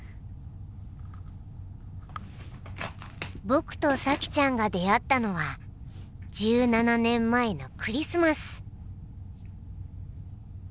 僕と咲ちゃんが出会ったのは１７年前のクリスマス。